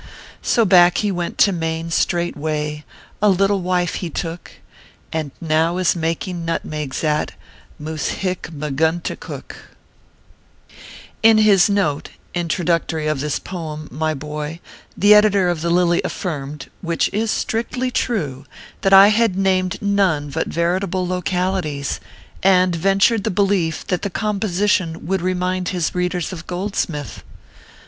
So back he went to Maine, straightway, A little wife he took ; And now is making nutmegs at Moosehicmagunticook. ORPHEUS C. KERR PAPERS. 29 In his note, introductory of this poem, my boy, the editor of the Lily affirmed (which is strictly true) that I had named none but veritable localities ; and ventured the belief that the composition would re mind his readers of Goldsmith.